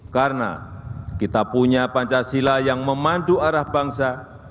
karena kita punya pancasila yang memandu arah bangsa